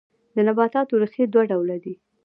د نباتاتو ریښې دوه ډوله دي